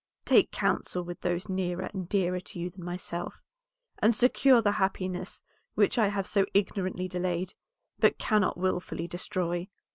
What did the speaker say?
Take counsel with those nearer and dearer to you than myself, and secure the happiness which I have so ignorantly delayed, but cannot wilfully destroy.